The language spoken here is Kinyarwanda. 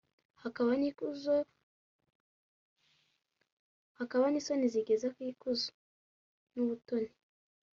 hakaba n’isoni zigeza ku ikuzo n’ubutoni